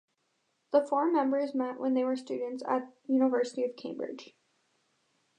The four members met when they were students at University of Cambridge.